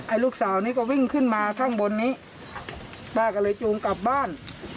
ลูกสาวนี้ก็วิ่งขึ้นมาข้างบนนี้ป้าก็เลยจูงกลับบ้าน